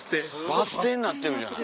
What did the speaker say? バス停になってるじゃない。